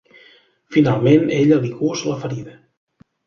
Finalment, ella li cus la ferida.